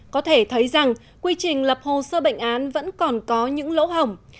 có thể thấy rằng quy trình lập hồ sơ bệnh án vẫn còn có những lỗ hỏng